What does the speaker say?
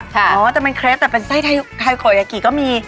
คุณ์ก็จะมีไพ่น้ำอ๋อแต่ไม่เคร็บแต่เป็นไทยโขอยากีก็มี